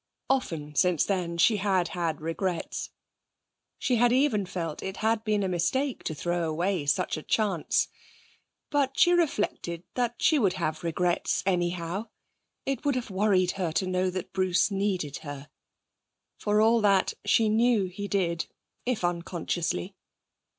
Often since then she had had regrets; she had even felt it had been a mistake to throw away such a chance. But she reflected that she would have regrets anyhow. It would have worried her to know that Bruce needed her. For all that, she knew he did, if unconsciously.